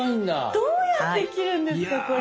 どうやって切るんですかこれ？